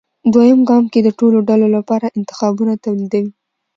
دویم ګام کې د ټولو ډلو لپاره انتخابونه توليدوي.